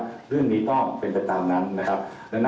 มีสูตรเดียวคือสูตรตามมาตรา๑๒๘